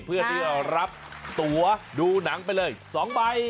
เพื่อที่รับตัวดูหนังไปเลย๒ใบ